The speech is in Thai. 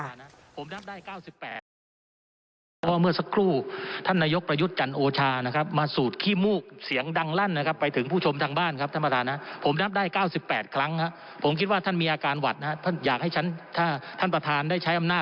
อ่าท่านประธานที่เคารพแพร่เชื้อได้นะคะ